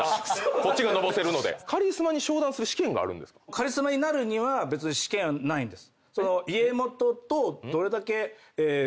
カリスマになるには別に試験ないんです。